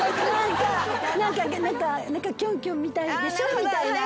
キョンキョンみたいでしょ？みたいな。